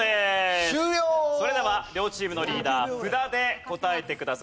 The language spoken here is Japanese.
それでは両チームのリーダー札で答えてください。